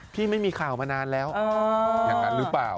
ไม่มีข่าวมานานแล้วอย่างนั้นหรือเปล่า